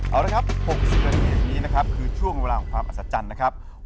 เอาละครับ๖๐นาทีนี้นะครับคือช่วงเวลาของความอัศจรรย์นะครับ